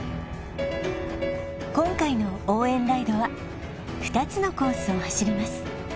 今回の応援ライドは２つのコースを走ります